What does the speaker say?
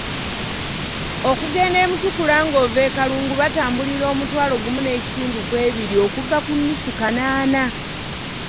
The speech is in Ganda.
Okugenda e Mutukula ng’ova e Kalungu batambulira omutwala gumu n'ekitundu kw'ebiri okuva ku nnusu kanaana.